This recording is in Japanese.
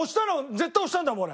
絶対押したんだもん俺。